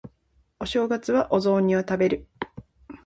お正月はお雑煮を食べる